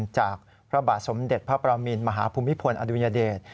จากพระบาทสมเด็จพระประมินมหาภูมิพลอดุญเดช